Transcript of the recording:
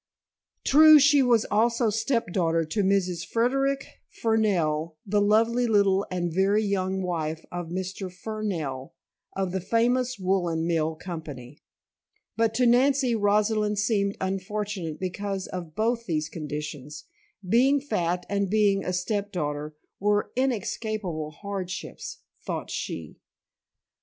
True, she was also step daughter to Mrs. Frederic Fernell, the lovely little and very young wife of Mr. Fernell of the famous woolen mill company. But to Nancy, Rosalind seemed unfortunate because of both these conditions; being fat and being a step daughter were inescapable hardships, thought she.